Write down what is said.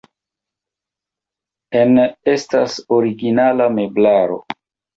En estas originala meblaro.